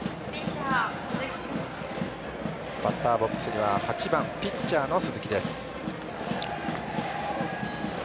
バッターボックスには８番ピッチャーの鈴木です。